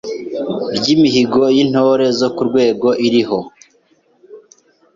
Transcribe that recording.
ry’Imihigo y’Intore zo ku rwego iriho;